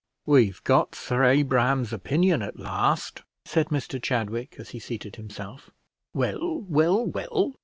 "We've got Sir Abraham's opinion at last," said Mr Chadwick, as he seated himself. "Well, well, well!"